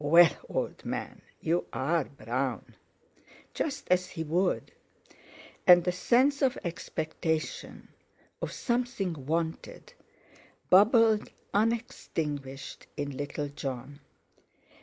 Well, old man, you are brown!" Just as he would; and the sense of expectation—of something wanted—bubbled unextinguished in little Jon.